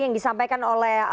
yang disampaikan oleh